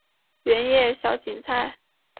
圆叶小堇菜